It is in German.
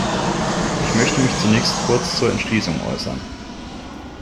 Ich möchte mich zunächst kurz zur Entschließung äußern.